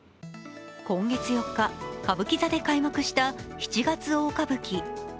今月４日、歌舞伎座で開幕した七月大歌舞伎。